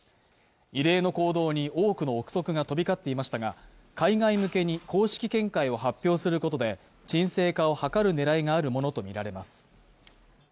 異例の行動に多くの憶測が飛び交っていましたが、海外向けに公式見解を発表することで、鎮静化を図る狙いがあるものとみられます。